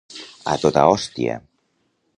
A tota hòstia.